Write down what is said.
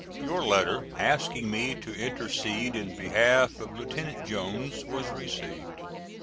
Your letter asking me to intercede in behalf of Lieut. Jones was received.